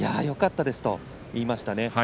よかったですと言いました。